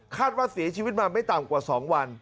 ว่าเสียชีวิตมาไม่ต่ำกว่า๒วัน